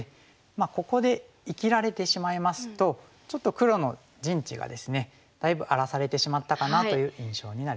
ここで生きられてしまいますとちょっと黒の陣地がですねだいぶ荒らされてしまったかなという印象になります。